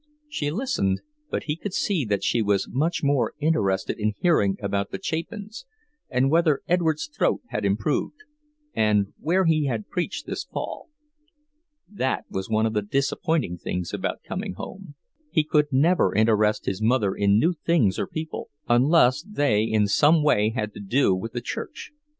She listened, but he could see that she was much more interested in hearing about the Chapins, and whether Edward's throat had improved, and where he had preached this fall. That was one of the disappointing things about coming home; he could never interest his mother in new things or people unless they in some way had to do with the church.